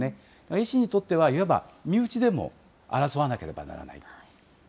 維新にとっては、いわば身内でも争わなければならない。